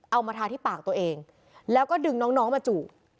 เอามาทาที่ปากตัวเองแล้วก็ดึงน้องมาจูบ